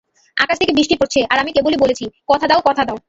আকাশ থেকে বৃষ্টি পড়ছে আর আমি কেবলই বলেছি, কথা দাও, কথা দাও!